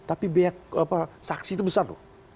tapi biaya saksi itu besar